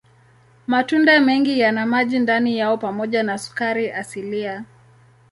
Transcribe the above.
Matunda mengi yana maji ndani yao pamoja na sukari asilia.